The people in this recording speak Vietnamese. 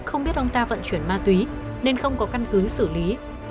không biết ông ta vận chuyển ma túy nên không có căn cứ xử lý